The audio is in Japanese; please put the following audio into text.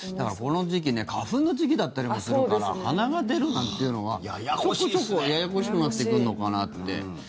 この時期花粉の時期だったりもするからはなが出るなんていうのがちょこちょこややこしくなってくるのかなと。